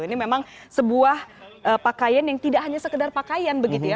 ini memang sebuah pakaian yang tidak hanya sekedar pakaian begitu ya